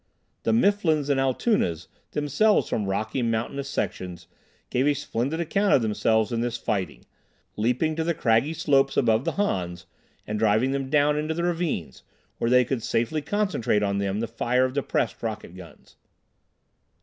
The Mifflins and Altoonas, themselves from rocky, mountainous sections, gave a splendid account of themselves in this fighting, leaping to the craggy slopes above the Hans, and driving them down into the ravines, where they could safely concentrate on them the fire of depressed rocket guns.